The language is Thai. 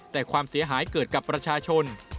แต่ความเสียหายเกิดกับประชาชน